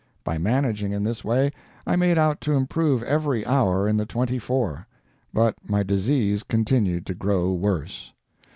By managing in this way, I made out to improve every hour in the twenty four. But my disease continued to grow worse.